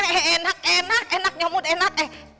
eh enak enak enak nyamut enak eh